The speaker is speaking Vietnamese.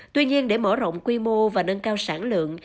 tuy nhiên để mở rộng quy mô và nâng cao sản lượng